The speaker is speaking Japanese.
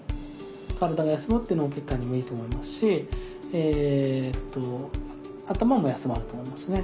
体が休まって脳血管にもいいと思いますし頭も休まると思いますね。